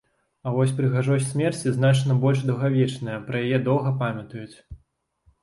А вось прыгажосць смерці значна больш даўгавечная, пра яе доўга памятаюць.